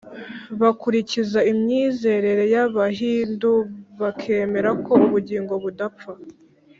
bakurikiza imyizerere y’abahindu bakemera ko ubugingo budapfa